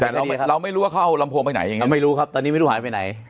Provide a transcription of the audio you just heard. แต่เราไม่รู้ว่าเขาเอาลำโพงไปไหนอย่างนี้ไม่รู้ครับตอนนี้ไม่รู้หายไปไหน